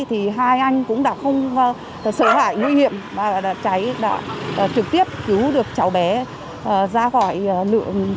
thì hai anh cũng đã không sợ hãi nguy hiểm và cháy đã trực tiếp cứu được cháu bé ra khỏi lượng